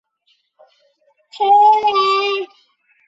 由丸山健志担任音乐录影带导演。